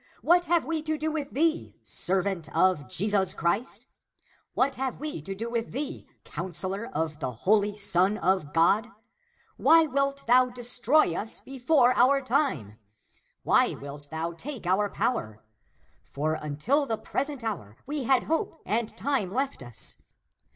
What have we to do with thee, servant of |esus Christ? What have we to do with ACTS OF THOMAS 265 thee, counselor of the Holy Son of God? Why wilt thou destroy us before our time? ^ Why wilt thou take our power ? For until the present hour we had hope and time left us.